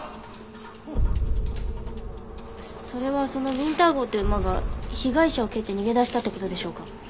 それはそのウィンター号って馬が被害者を蹴って逃げ出したって事でしょうか？